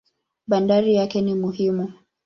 Bandari yake ni muhimu.